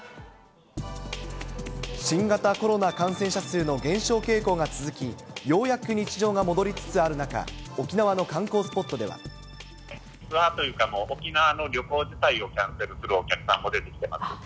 新型コロナ感染者数の減少傾向が続き、ようやく日常が戻りつつある中、沖縄の観光スポットでツアーというか、もう沖縄の旅行自体をキャンセルするお客さんも出てきてます。